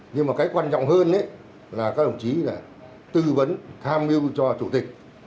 nhưng mà cái quan trọng hơn là các đồng chí là tư vấn tham mưu cho chủ tịch